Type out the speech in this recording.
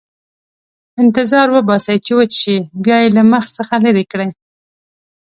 انتظار وباسئ چې وچ شي، بیا یې له مخ څخه لرې کړئ.